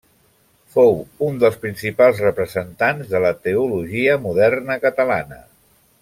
Fou un dels principals representants de la teologia moderna catalana.